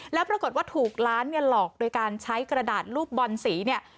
แล้วปรากฏว่าถูกล้านเนี่ยหลอกโดยการใช้กระดาษลูกบอลสีเนี่ย